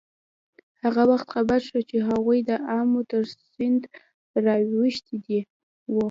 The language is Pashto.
هغه وخت خبر شو چې هغوی د آمو تر سیند را اوښتي وو.